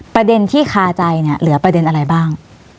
ประเด็นที่คาใจเนี่ยเหลือประเด็นอะไรบ้าง